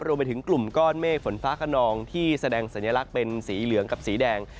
รวมไปถึงกลุ่มก้อนเมฆฝนฟ้าขนองที่แสดงสัญลักษณ์เป็นสีเหลืองกับสีแดง